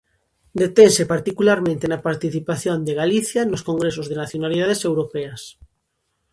Detense particularmente na participación de Galicia nos Congresos de Nacionalidades Europeas.